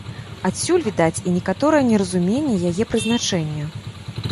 Адсюль, відаць, і некаторае неразуменне яе прызначэння.